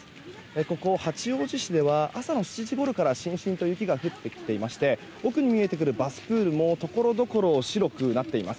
ここ、八王子市では朝の７時ごろからしんしんと雪が降ってきていまして奥に見えてきているバスプールもところどころ白くなっています。